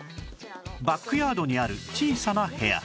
バックヤードにある小さな部屋